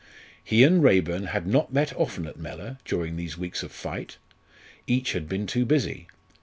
He and Raeburn had not met often at Mellor during these weeks of fight. Each had been too busy.